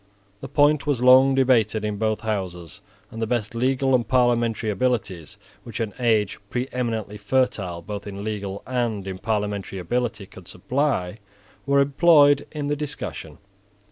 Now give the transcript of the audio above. The point was long debated in both houses; and the best legal and parliamentary abilities which an age preeminently fertile both in legal and in parliamentary ability could supply were employed in the discussion.